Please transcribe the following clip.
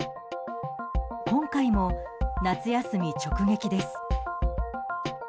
今回も夏休み直撃です。